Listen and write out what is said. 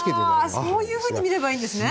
はあそういうふうに見ればいいんですね。